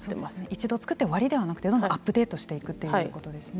一度作って終わりではなくてアップデートしていくということですね。